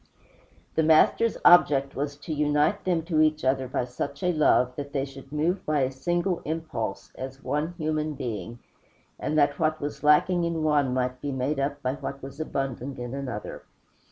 The Master's object was to unite them to each other by such a love that they should move by a single impulse, as one human being, and that what was lacking in one might be made up by what was abundant in another.